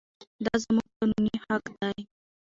دا زموږ قانوني حق دی.